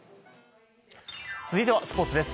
続いてはスポーツです。